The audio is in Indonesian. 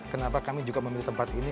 kenapa kami juga memilih tempat ini